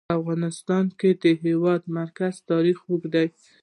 په افغانستان کې د د هېواد مرکز تاریخ اوږد دی.